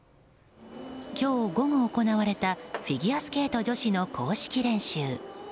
今日午後行われたフィギュアスケート女子の公式練習。